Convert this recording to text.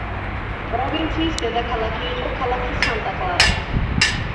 პროვინციის დედაქალაქი იყო ქალაქი სანტა-კლარა.